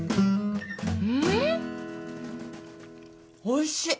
おいしい！